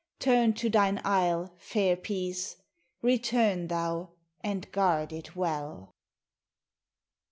Turn to thine isle, fair Peace; return thou and guard it well!